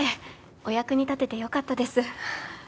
お役に立ててよかったです